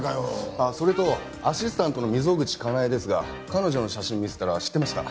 ああそれとアシスタントの溝口カナエですが彼女の写真見せたら知ってました。